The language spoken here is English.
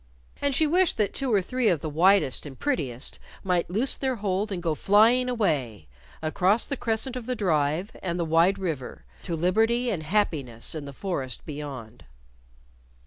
And she wished that two or three of the whitest and prettiest might loose their hold and go flying away across the crescent of the Drive and the wide river to liberty and happiness in the forest beyond.